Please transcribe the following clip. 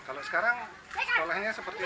kalau sekarang sekolahnya seperti apa